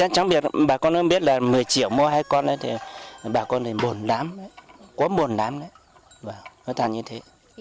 trong việc bà con không biết là một mươi triệu mua hai con thì bà con thì buồn lắm quá buồn lắm và nó thành như thế